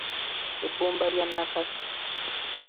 Ebbumba lya nakase.